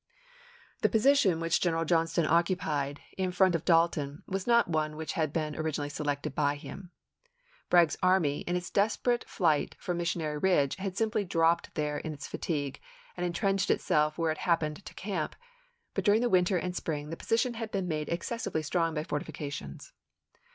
p 302. The position which General Johnston occupied in front of Dalton was not one which had been originally selected by him. Bragg's army, in its desperate flight from Missionary Ridge, had simply dropped there in its fatigue, and intrenched itself where it happened to camp, but during the winter and spring the position had been made excessively strong by fortifications.